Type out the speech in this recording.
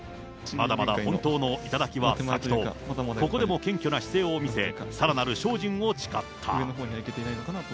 まだまだ本当の頂は先と、ここでも謙虚な姿勢を見せ、さらなる精進を誓った。